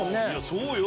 そうよ